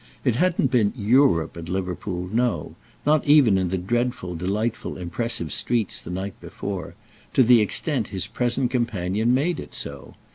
It hadn't been "Europe" at Liverpool no—not even in the dreadful delightful impressive streets the night before—to the extent his present companion made it so.